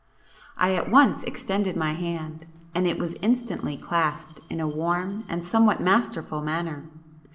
I at once extended my hand, and it was instantly clasped in a warm and somewhat masterful manner.